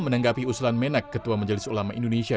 dengan tentu saja risikonya